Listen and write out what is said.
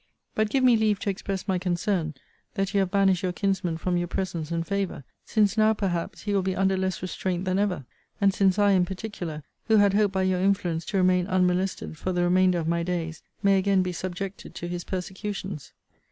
But give me leave to express my concern that you have banished your kinsman from your presence and favour: since now, perhaps, he will be under less restraint than ever; and since I in particular, who had hoped by your influence to remain unmolested for the remainder of my days, may again be subjected to his persecutions.